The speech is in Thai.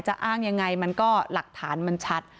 อ้างยังไงมันก็หลักฐานมันชัด